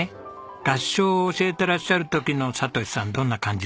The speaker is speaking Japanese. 合唱を教えてらっしゃる時の聰さんどんな感じでしょう？